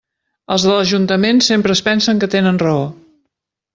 Els de l'ajuntament sempre es pensen que tenen raó.